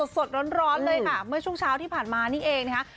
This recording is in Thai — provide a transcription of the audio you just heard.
สดร้อนเลยค่ะเมื่อช่วงเช้าที่ผ่านมานี่เองนะคะ